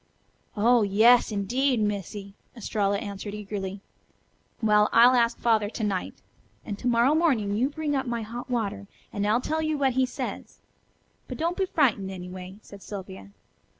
"Oh, yas indeed, Missy," Estralla answered eagerly. "Well, I'll ask Father to night. And to morrow morning you bring up my hot water, and I'll tell you what he says. But don't be frightened, anyway," said Sylvia.